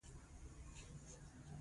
زه ترکاري پیرم